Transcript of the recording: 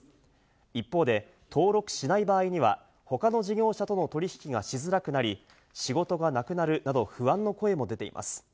一方で、登録しない場合には、他の事業者との取引がしづらくなり、仕事がなくなるなど、不安の声も出ています。